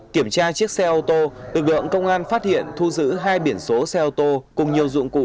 kiểm tra chiếc xe ô tô lực lượng công an phát hiện thu giữ hai biển số xe ô tô cùng nhiều dụng cụ